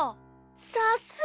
さすが。